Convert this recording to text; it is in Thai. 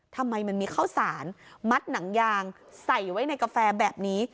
ทำไมมันมีข้าวสารมัดหนังยางใส่ไว้ในกาแฟแบบนี้